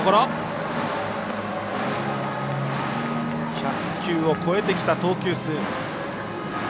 １００球を超えてきた投球数。